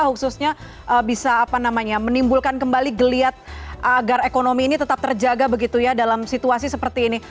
khususnya bisa menimbulkan kembali geliat agar ekonomi ini tetap terjaga begitu ya dalam situasi seperti ini